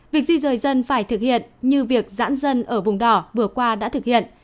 việc di rời dân phải thực hiện như việc giãn dân ở vùng đỏ vừa qua đã thực hiện